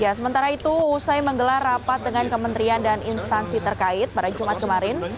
ya sementara itu usai menggelar rapat dengan kementerian dan instansi terkait pada jumat kemarin